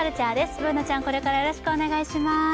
Ｂｏｏｎａちゃん、これからよろしくお願いします。